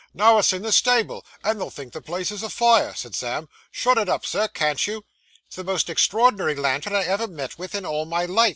'Now, it's in the stable, and they'll think the place is afire,' said Sam. 'Shut it up, sir, can't you?' 'It's the most extraordinary lantern I ever met with, in all my life!